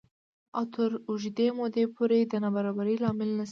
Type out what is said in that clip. او تر اوږدې مودې پورې د نابرابرۍ لامل نه شي